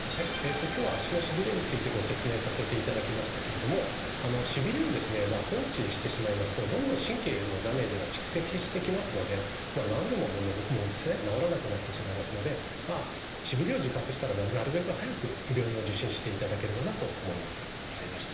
今日は足のしびれについてご説明させていただきましたけれどもしびれを放置してしまいますとどんどん神経へのダメージが蓄積してきますので治るものも治らなくなってしまいますのでしびれを自覚したらなるべく早く病院を受診していただければなと思います。